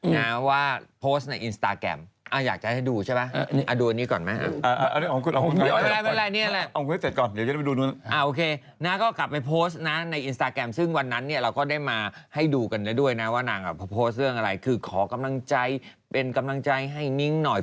งานว่าโพสต์ในอินสตาร์แกรมอยากจะให้ดูใช่ปะดูอันนี้ก่อนมั้ย